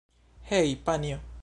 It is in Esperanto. Hej, panjo!